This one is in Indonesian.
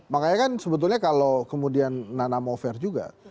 makanya kan sebetulnya kalau kemudian nana mofer juga